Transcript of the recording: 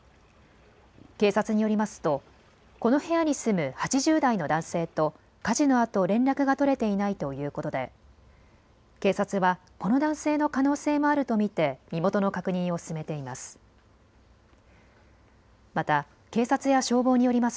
警察によりますとこの部屋に住む８０代の男性と火事のあと連絡が取れていないということで警察はこの男性の可能性もあると見て身元の確認を進めています。